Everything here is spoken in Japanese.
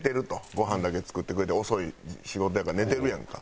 ごはんだけ作ってくれて遅い仕事やから寝てるやんか。